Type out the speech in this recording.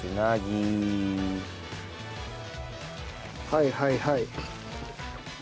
はいはいはい。